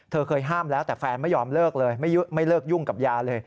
เคยห้ามแล้วแต่แฟนไม่ยอมเลิกเลยไม่เลิกยุ่งกับยาเลย